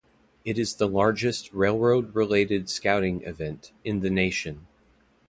It is the largest railroad related scouting event in the nation.